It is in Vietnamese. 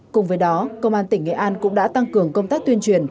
cùng với đó công an tỉnh nghệ an cũng đã tăng cường công tác tuyên truyền